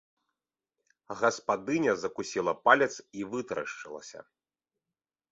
Гаспадыня закусіла палец і вытарашчылася.